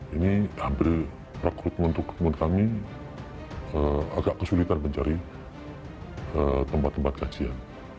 ini ambil rekrutmen rekrutmen kami agak kesulitan mencari tempat tempat kajian